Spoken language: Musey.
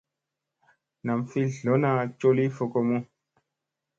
Nam fi dlona coli fokomu.